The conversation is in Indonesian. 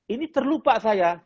ini terlupa saya